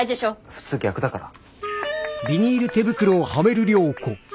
普通逆だから。